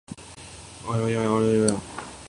ایک flop film کے بعد لوگ کالز اٹھانا بند کردیتے ہیں